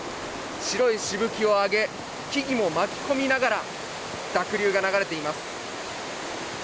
白いしぶきを上げ、木々も巻き込みながら、濁流が流れています。